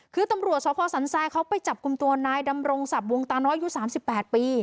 คือตำรวจเชาะพ่อสรรสัยเขาไปจับกลุ่มตัวนายดำรงสับวงตาน้อยยูสามสิบแปดปี